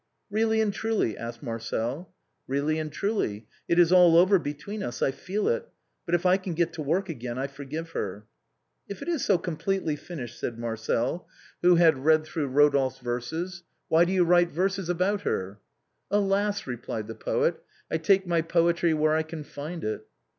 "Eeally and truly?" asked Marcel. " Eeally and truly. It is all over between us, I feel it; but if I can get to work again I forgive her." " If it is so completely finished," said Marcel, who had 310 THE BOHEMIANS OF THE LATIN QUARTER. read through Eodolphe's verses, " why do you write verses about her ?" "Alas !" replied the poet, " I take my poetry where I can find it."